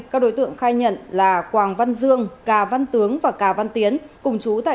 các đối tượng khai nhận là quảng văn dương cà văn tướng và cà văn tiến cùng chú tại